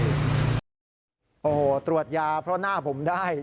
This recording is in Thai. โอ้โหตรวจยาเพราะหน้าผมได้